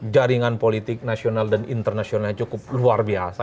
jaringan politik nasional dan internasional cukup luar biasa